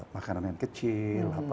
makanan yang kecil